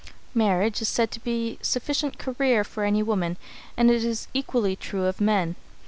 Marriage is said to be sufficient "career" for any woman, and it is equally true of men.